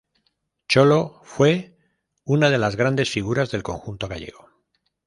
Cholo fue una de las grandes figuras del conjunto gallego.